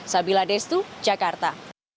sabila destu jakarta